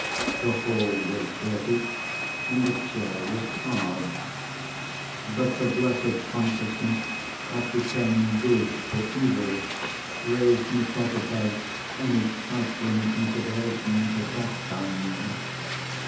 The hall was dirty, and the chair was hard; but the blessed consciousness of returning good for evil raised me quite above any trifling considerations of that kind.